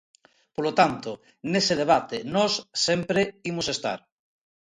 Polo tanto, nese debate nós sempre imos estar.